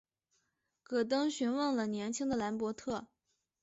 戈登询问了年轻的兰伯特。